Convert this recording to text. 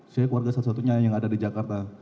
saya keluarga satu satunya yang ada di jakarta